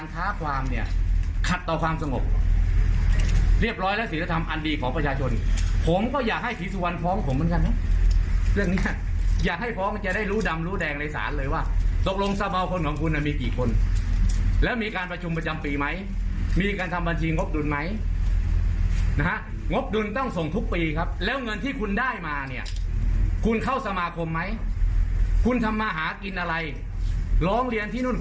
ถามข้อมูลอาทิตย์